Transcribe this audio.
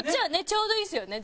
ちょうどいいですよね